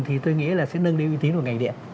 thì tôi nghĩ là sẽ nâng đi uy tín của ngành điện